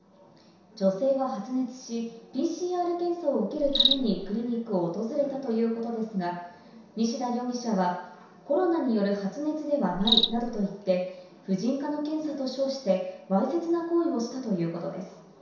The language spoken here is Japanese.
女性は発熱し、ＰＣＲ検査を受けるためにクリニックを訪れたということですが、西田容疑者はコロナによる発熱ではないなどと言って、婦人科の検査と称して、わいせつな行為をしたということです。